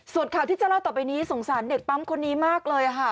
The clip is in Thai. ส่วนข่าวที่จะเล่าต่อไปนี้สงสารเด็กปั๊มคนนี้มากเลยค่ะ